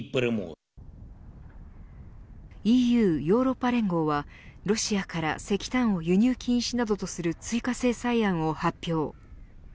ＥＵヨーロッパ連合はロシアから石炭を輸入禁止などとする追加制裁案を発表。